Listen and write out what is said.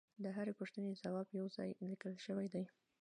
د هرې پوښتنې ځواب یو ځای لیکل شوی دی